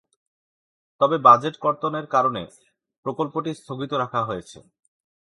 তবে বাজেট কর্তনের কারণে প্রকল্পটি স্থগিত রাখা হয়েছে।